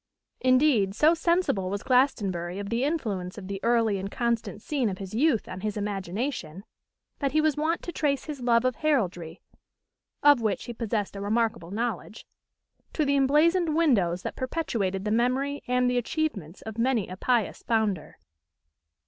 Indeed, so sensible was Glastonbury of the influence of the early and constant scene of his youth on his imagination, that he was wont to trace his love of heraldry, of which he possessed a remarkable knowledge, to the emblazoned windows that perpetuated the memory and the achievements of many a pious founder.